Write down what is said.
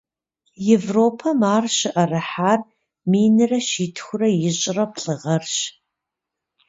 Европэм ар щыӏэрыхьар минрэ щитхурэ ищӏрэ плӏы гъэрщ.